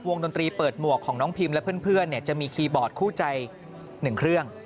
ดนตรีเปิดหมวกของน้องพิมและเพื่อนจะมีคีย์บอร์ดคู่ใจ๑เครื่อง